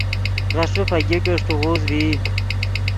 غیݰے فگیکے اݰٹے غوز ڤئی